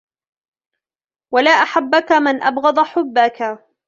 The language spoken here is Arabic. وَلَا أَحَبَّك مَنْ أَبْغَضَ حُبَّك